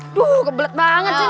aduh gebleet banget sini